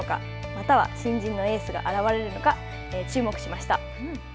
または新人のエースが現れるのか、注目しました。